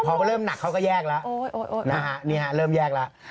พอก็เริ่มหนักเขาก็แยกนี่ละเริ่มแยกละ